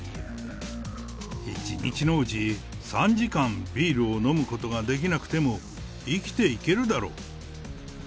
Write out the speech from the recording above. １日のうち３時間、ビールを飲むことができなくても、生きていけるだろう。